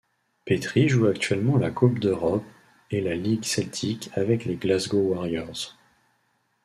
Petrie joue actuellement la coupe d'Europe et la Ligue Celtique avec les Glasgow Warriors.